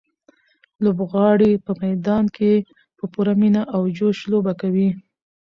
لوبغاړي په میدان کې په پوره مینه او جوش لوبه کوي.